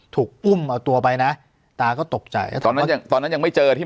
ถูกอุ้มเอาตัวไปนะตาก็ตกใจตอนนั้นยังตอนนั้นยังไม่เจอที่